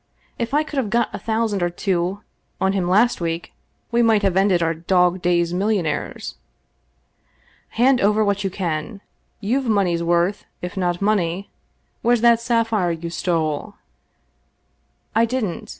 If I could have got a thousand or two on him last week, we might have ended our dog days millionaires. Hand over what you can. You've money's worth, if not money. Where's that sapphire you stole ?"" I didn't.